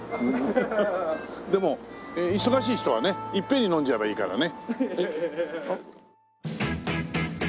でも忙しい人はねいっぺんに飲んじゃえばいいからね。